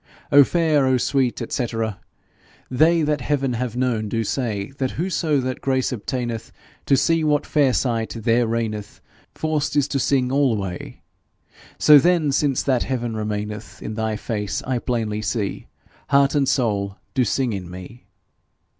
O fair, O sweet, &c. They that heaven have known, do say That whoso that grace obtaineth To see what fair sight there reigneth, Forced is to sing alway; So then, since that heaven remaineth In thy face, I plainly see, Heart and soul do sing in me.